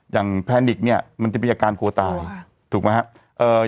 อย่างแพนิกเนี่ยมันจะมีอาการกลัวตายถูกไหมฮะ